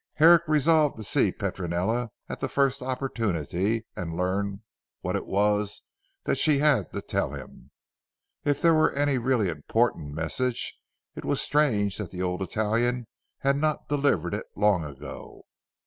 Herrick resolved to see Petronella at the first opportunity and learn what it was that she had to tell him. If there were any really important message it was strange that the old Italian had not delivered it long ago.